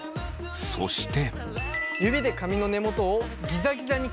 そして。